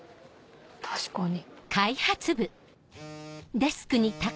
確かに。